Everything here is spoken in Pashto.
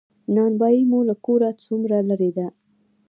نان بایی مو له کوره څومره لری ده؟